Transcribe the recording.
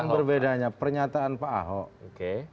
bukan berbedanya pernyataan pak ahok